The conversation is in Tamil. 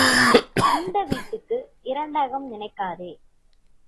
உண்ட வீட்டுக்கு இரண்டகம் நினைக்காதே.